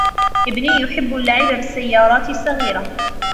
ابني يحب اللعب بالسيارات الصغيرة